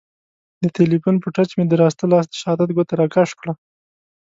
د تیلیفون په ټچ مې د راسته لاس د شهادت ګوته را کش کړه.